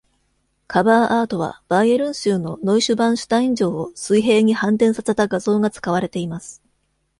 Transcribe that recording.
カバーアートは、バイエルン州のノイシュヴァンシュタイン城を水平に反転させた画像が使われています。